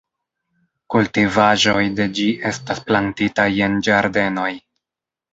Kultivaĵoj de ĝi estas plantitaj en ĝardenoj.